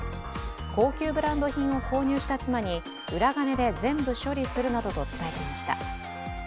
高級ブランド品を購入した妻に裏金で全部処理するなどと伝えていました。